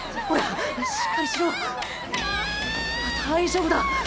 大丈夫だ。